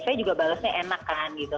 saya juga balesnya enak kan gitu